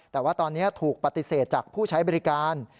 แต่ว่าตอนนี้ถูกปฏิเสธจากผู้ใช้บริการ